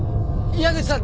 矢口さん